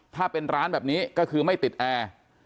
ถ้าเป็นร้านแบบนี้ก็คือไม่ติดแอร์